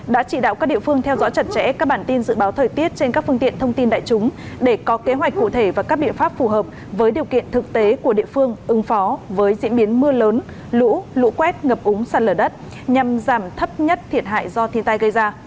đã chỉ đạo các địa phương theo dõi chặt chẽ các bản tin dự báo thời tiết trên các phương tiện thông tin đại chúng để có kế hoạch cụ thể và các biện pháp phù hợp với điều kiện thực tế của địa phương ứng phó với diễn biến mưa lớn lũ lũ quét ngập úng sạt lở đất nhằm giảm thấp nhất thiệt hại do thiên tai gây ra